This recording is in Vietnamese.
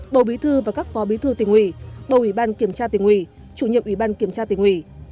bầu bí thư và các phó bí thư tiền quỷ bầu ủy ban kiểm tra tiền quỷ chủ nhiệm ủy ban kiểm tra tiền quỷ